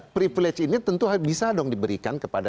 privilege ini tentu bisa dong diberikan kepada